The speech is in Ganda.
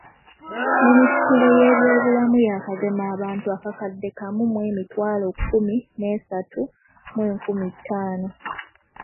Minisitule y'ebyobulamu yaakagema abantu akakadde kamu mu emitwalo kkumi n'esatu mu enkumi ttaano.